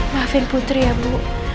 maafin putri ya bu